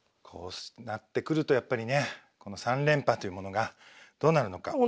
こうなってくるとやっぱりねこの３連覇というものがどうなるのか。